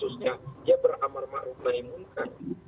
khususnya dia beramar mahrum nahi munkar